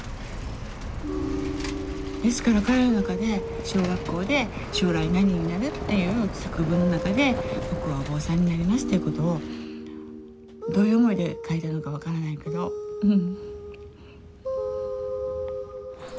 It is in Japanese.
ですから彼の中で小学校で「将来何になる？」っていう作文の中で僕はお坊さんになりますということをどういう思いで書いたのか分からないけどうん。